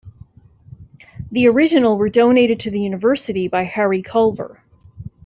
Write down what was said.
The original were donated to the university by Harry Culver.